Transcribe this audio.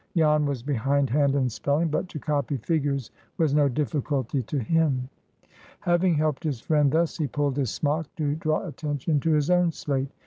Jan was behindhand in spelling, but to copy figures was no difficulty to him. Having helped his friend thus, he pulled his smock, to draw attention to his own slate.